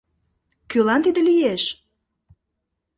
Кӧлан тиде лиеш?